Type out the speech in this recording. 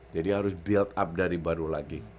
jadi harus build up dari baru lagi